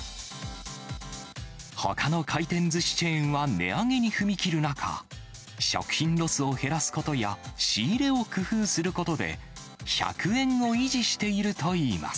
ほかの回転ずしチェーンは値上げに踏み切る中、食品ロスを減らすことや、仕入れを工夫することで、１００円を維持しているといいます。